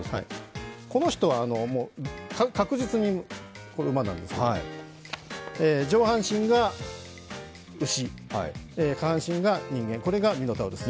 この人は、確実に馬なんですけど上半身が牛、下半身が人間、これがミノタウロス。